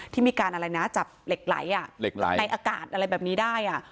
ที่มีการอะไรนะจับเหล็กไหลอ่ะเหล็กไหลในอากาศอะไรแบบนี้ได้อ่ะ